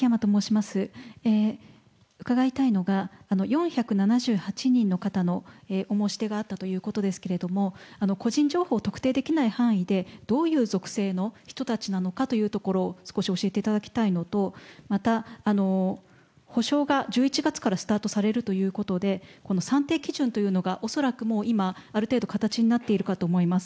伺いたいのが、４７８人の方のお申し出があったということですけれども、個人情報特定できない範囲で、どういう属性の人たちなのかというところを少し教えていただきたいのと、また補償が１１月からスタートされるということで、この算定基準というのが、恐らくもう、今、ある程度形になっているかと思います。